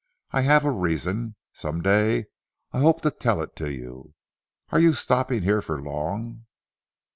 I have a reason. Some day I hope to tell it to you. Are you stopping here for long?"